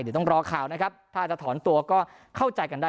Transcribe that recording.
เดี๋ยวต้องรอข่าวนะครับถ้าจะถอนตัวก็เข้าใจกันได้